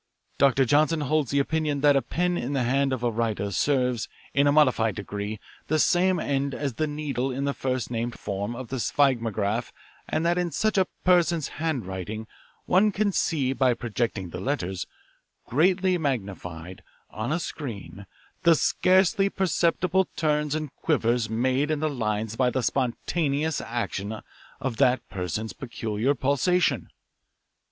Dr. Johnson holds the opinion that a pen in the hand of a writer serves, in a modified degree, the same end as the needle in the first named form of the sphygmograph and that in such a person's handwriting one can see by projecting the letters, greatly magnified, on a screen, the scarcely perceptible turns and quivers made in the lines by the spontaneous action of that person's peculiar pulsation.